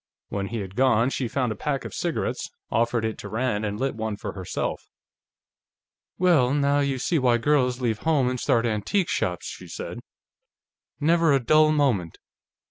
When he had gone, she found a pack of cigarettes, offered it to Rand and lit one for herself. "Well, now you see why girls leave home and start antique shops," she said. "Never a dull moment....